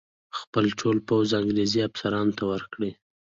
خپل ټول پوځ انګرېزي افسرانو ته ورکړي.